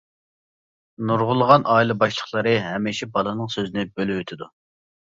نۇرغۇنلىغان ئائىلە باشلىقلىرى ھەمىشە بالىنىڭ سۆزىنى بۆلۈۋېتىدۇ.